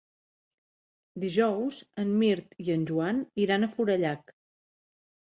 Dijous en Mirt i en Joan iran a Forallac.